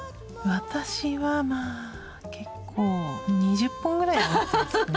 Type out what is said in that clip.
私はまあ結構２０本ぐらいは持ってますね。